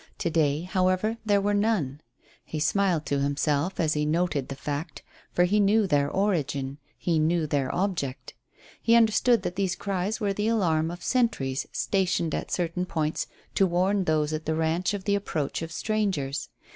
To day, however, there were none. He smiled to himself as he noted the fact, for he knew their origin; he knew their object. He understood that these cries were the alarm of sentries stationed at certain points to warn those at the ranch of the approach of strangers.